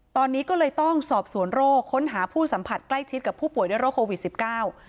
ตอนนี้ก็เลยต้องสอบสวนโรคค้นหาผู้สัมผัสใกล้ชิดกับผู้ป่วยด้วยโรคโควิดสิบเก้า